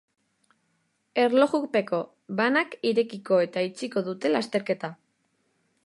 Erlojupeko banak irekiko eta itxiko dute lasterketa.